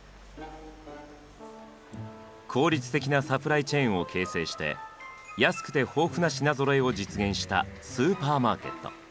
効率的なサプライチェーンを形成して安くて豊富な品ぞろえを実現したスーパーマーケット。